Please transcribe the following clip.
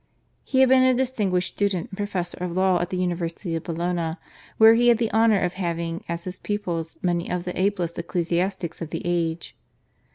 He had been a distinguished student and professor of law at the University of Bologna, where he had the honour of having as his pupils many of the ablest ecclesiastics of the age.